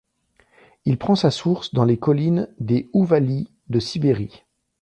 Il prend sa source dans les collines des Ouvaly de Sibérie.